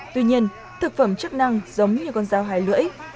tuy nhiên thực phẩm chức năng giống như con dao hai lưỡi